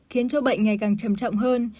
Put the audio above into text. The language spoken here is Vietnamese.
khiến cho bệnh ngày càng chậm chậm hơn